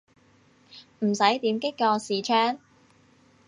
唔使點擊個視窗